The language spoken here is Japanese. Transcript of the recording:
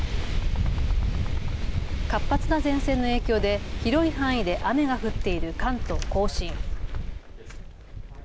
活発な前線の影響で広い範囲で雨が降っている関東甲信。